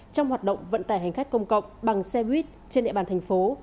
trong hoạt động vận tải hành khách công cộng bằng xe buýt trên địa bàn thành phố